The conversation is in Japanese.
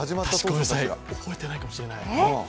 覚えてないかもしれない。